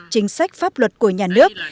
chính sách pháp luật của nhà nước